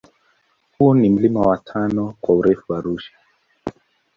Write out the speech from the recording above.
Huu ni mlima wa tano kwa urefu Arusha